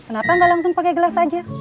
kenapa nggak langsung pakai gelas aja